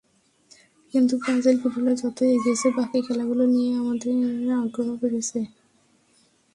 কিন্তু ব্রাজিল ফুটবলে যতই এগিয়েছে, বাকি খেলাগুলো নিয়েও আমার আগ্রহ বেড়েছে।